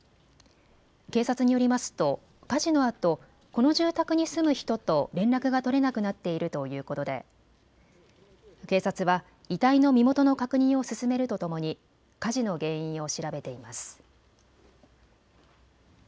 警察によりますと火事のあとこの住宅に住む人と連絡が取れなくなっているということで警察は遺体の身元の確認を進めるとともに火事の原因を調べています。